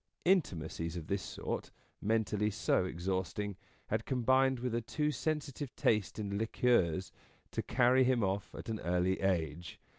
Intimacies of this sort, mentally so exhausting, had combined with a too sensitive taste in liqueurs to carry him off at an early age.